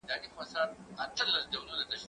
زه هره ورځ د کتابتون د کار مرسته کوم؟!